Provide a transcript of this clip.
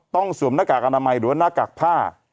สวมหน้ากากอนามัยหรือว่าหน้ากากผ้า